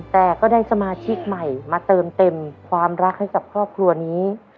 แต่ก็ได้สมาชิกใหม่มาเติมเต็มความรักให้กับครอบครัวนี้